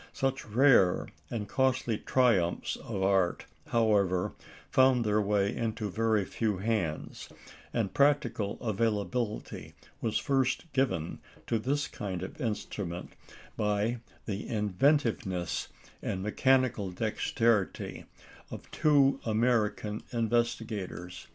Such rare and costly triumphs of art, however, found their way into very few hands, and practical availability was first given to this kind of instrument by the inventiveness and mechanical dexterity of two American investigators.